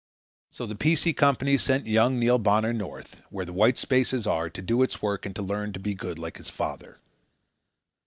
So the P. C. Company sent young Neil Bonner north, where the white spaces are, to do its work and to learn to be good like his father.